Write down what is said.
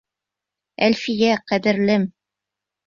Әлфиә, ҡәҙерлем.